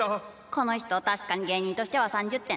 この人確かに芸人としては３０点。